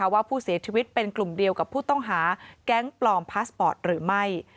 ว่าผู้เสียชีวิตเป็นกลุ่มเดียวกับผู้ต้องหาแก๊งปลอมพาสปอร์ตหรือไม่